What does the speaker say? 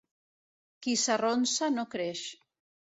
Qui s'arronsa no creix.